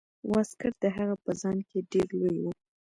واسکټ د هغه په ځان کې ډیر لوی و.